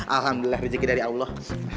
alhamdulillah rezeki dari allah